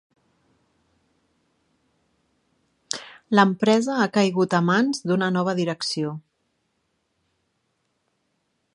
L'empresa ha caigut a mans d'una nova direcció.